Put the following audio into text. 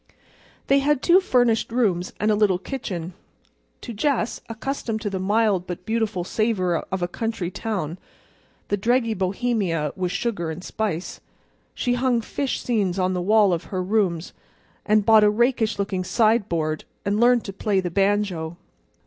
They had two furnished rooms and a little kitchen. To Jess, accustomed to the mild but beautiful savor of a country town, the dreggy Bohemia was sugar and spice. She hung fish seines on the walls of her rooms, and bought a rakish looking sideboard, and learned to play the banjo.